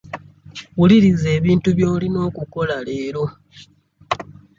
Wuliriza ebintu by'olina okukola leero.